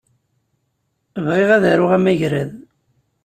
Bɣiɣ ad d-aruɣ amagrad.